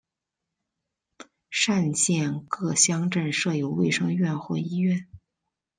单县各乡镇设有卫生院或医院。